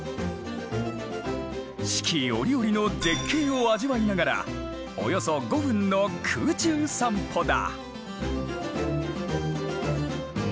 四季折々の絶景を味わいながらおよそ５分の空中散歩だ。